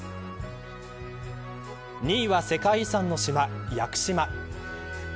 ２位は世界遺産の島、屋久島。